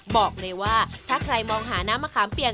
บอกเลยว่าถ้าใครมองหาน้ำมะขามเปียก